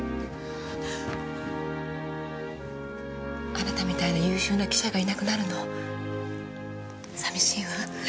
あなたみたいな優秀な記者がいなくなるの寂しいわ。